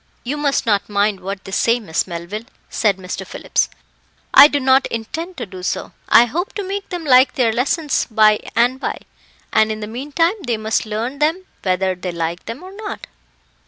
"You must not mind what they say, Miss Melville," said Mr. Phillips. "I do not intend to do so. I hope to make them like their lessons by and by, and in the meantime they must learn them whether they like them or not."